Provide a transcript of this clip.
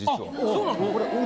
そうなの？